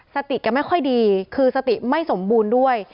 สติแกไม่ค่อยดีคือสติไม่สมบูรณ์ด้วย